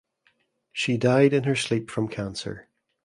She died in her sleep from cancer.